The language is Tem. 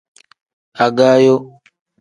Agaayo.